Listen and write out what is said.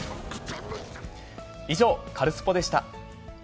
以上、カルスポっ！でした。